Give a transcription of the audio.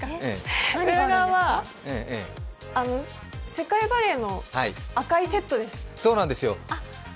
裏側は世界バレーの赤いセットです。